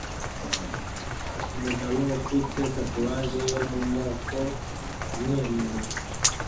Umugabo ufite tatuwaje yo mumoko amwenyura